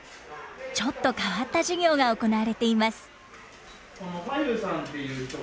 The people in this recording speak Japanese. ちょっと変わった授業が行われています。